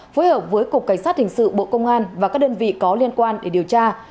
phối hợp với cục cảnh sát hình sự bộ công an và các đơn vị có liên quan để điều tra